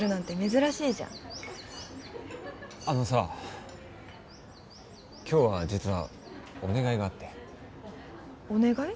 珍しいじゃんあのさ今日は実はお願いがあってお願い？